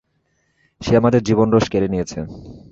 সে আমাদের জীবন রস কেড়ে নিয়েছে।